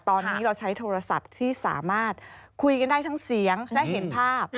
ตอนนี้เราใช้โทรศัพท์ที่สามารถคุยกันได้ทั้งเสียงและเห็นภาพ